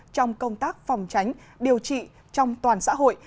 trong công tác phòng tránh điều trị trong toàn xã hội